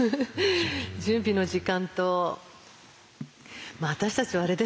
準備の時間とまあ私たちはあれですよね